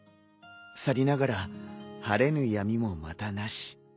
さりながら晴れぬ闇もまたなし。